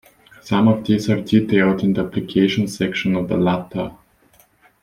Some of these are detailed in the application section of the latter.